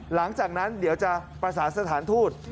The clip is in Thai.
หลังจากนั้นเดี๋ยวจะประสานสถานทูต